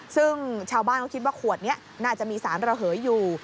ซึ่งชาวบ้านเขาคิดว่าขวดนี้น่าจะมีสารระเหยอยู่